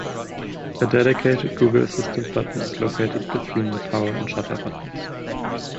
A dedicated Google Assistant button is located between the power and shutter buttons.